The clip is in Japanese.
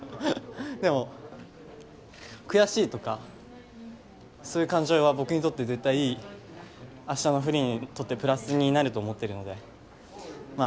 でも悔しいとかそういう感情は僕にとって絶対明日のフリーにとってプラスになると思ってるのでまあ